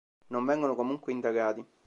Non vengono comunque indagati.